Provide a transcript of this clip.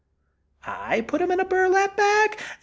I put him in a burlap bag?